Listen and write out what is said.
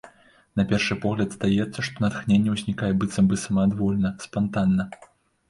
На першы погляд здаецца, што натхненне ўзнікае быццам бы самаадвольна, спантанна.